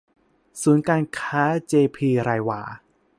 ศูนย์การค้าเจ.พี.ไรวา